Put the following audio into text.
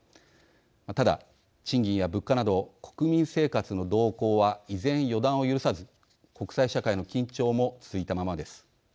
ただ、賃金や物価など国民生活の動向は依然、予断を許さず国際社会の緊張も続いたままです。